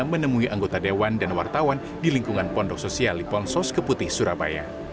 menemui anggota dewan dan wartawan di lingkungan pondok sosial lipon sos keputi surabaya